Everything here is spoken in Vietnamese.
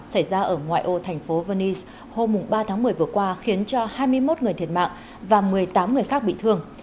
xảy ra ở ngoại ô thành phố venice hôm ba tháng một mươi vừa qua khiến cho hai mươi một người thiệt mạng và một mươi tám người khác bị thương